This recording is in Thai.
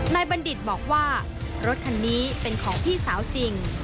บัณฑิตบอกว่ารถคันนี้เป็นของพี่สาวจริง